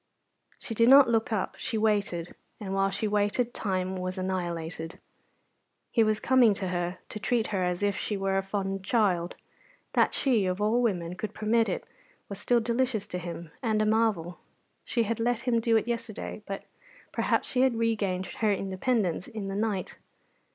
She did not look up she waited; and while she waited time was annihilated. He was coming to her to treat her as if she were a fond child; that she, of all women, could permit it was still delicious to him, and a marvel. She had let him do it yesterday, but perhaps she had regained her independence in the night.